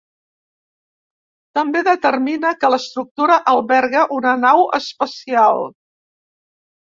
També determina que l'estructura alberga una nau espacial.